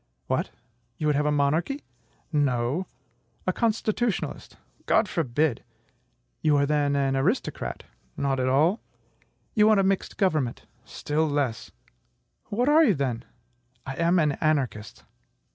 "What! you would have a monarchy." "No." "A constitutionalist?" "God forbid!" "You are then an aristocrat?" "Not at all." "You want a mixed government?" "Still less." "What are you, then?" "I am an anarchist."